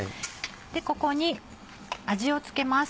ここに味を付けます。